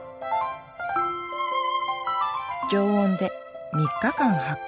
常温で３日間発酵。